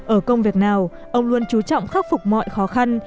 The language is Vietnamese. ở công việc nào ông luôn chú trọng khắc phục mọi khó khăn